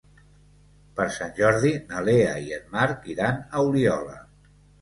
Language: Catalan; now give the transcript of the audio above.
Per Sant Jordi na Lea i en Marc iran a Oliola.